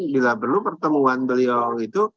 bila perlu pertemuan beliau gitu